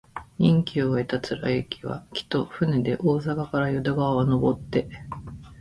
任期を終えた貫之は、帰途、船で大阪から淀川をのぼって、